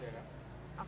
terima kasih ya kak